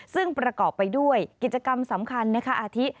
ซึ่งประกอบไปด้วยกิจกรรมสำคัญนะคะอาทิ